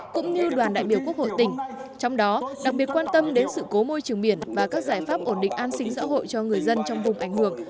cũng như đoàn đại biểu quốc hội tỉnh trong đó đặc biệt quan tâm đến sự cố môi trường biển và các giải pháp ổn định an sinh xã hội cho người dân trong vùng ảnh hưởng